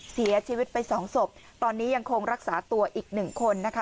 เสียชีวิตไปสองศพตอนนี้ยังคงรักษาตัวอีกหนึ่งคนนะคะ